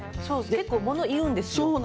そう結構物言うんですよ。